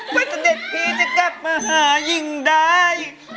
เสด็จพี่จะกลับมาหายิ่งได้